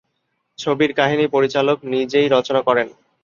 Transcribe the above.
ছবির কাহিনী পরিচালক নিজেই রচনা করেন।